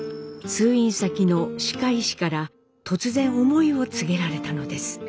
通院先の歯科医師から突然思いを告げられたのです。